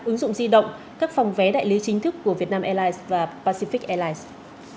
ứng dụng di động các phòng vé đại lý chính thức của vietnam airlines và pacific airlines